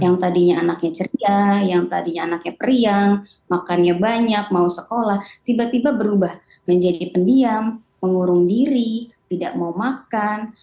yang tadinya anaknya ceria yang tadinya anaknya periang makannya banyak mau sekolah tiba tiba berubah menjadi pendiam mengurung diri tidak mau makan